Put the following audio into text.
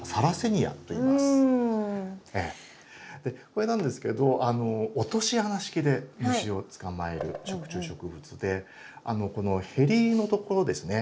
これなんですけど落とし穴式で虫を捕まえる食虫植物でこのヘリのところですね